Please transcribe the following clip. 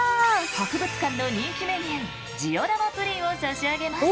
博物館の人気メニュージオラマプリンを差し上げます。